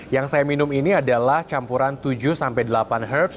yang saya minum ini adalah campuran tujuh sampai delapan herbs